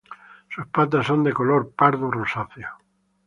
Sus patas son de color pardo rosáceo.